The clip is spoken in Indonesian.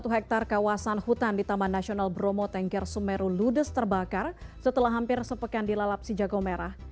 satu hektare kawasan hutan di taman nasional bromo tengger sumeru ludes terbakar setelah hampir sepekan dilalap si jago merah